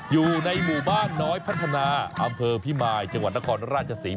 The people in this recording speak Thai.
อยู่ในหมู่บ้านน้อยพัฒนาอำเภอพิมายจังหวัดนครราชศรี